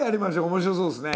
面白そうですね」。